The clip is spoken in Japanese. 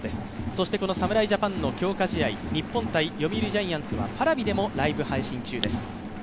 そしてこの侍ジャパンの強化試合、日本対読売ジャイアンツはＰａｒａｖｉでもライブ配信中です。